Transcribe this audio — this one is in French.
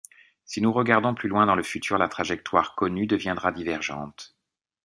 Si nous regardons plus loin dans le futur la trajectoire connue deviendra divergente.